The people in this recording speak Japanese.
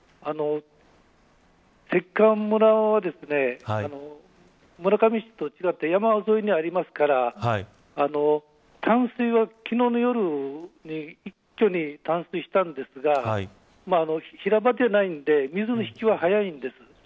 関川村はですね村上市と違って山沿いにありますから冠水は昨日の夜に一気に冠水したんですが平場じゃないので水の引きは早いんです。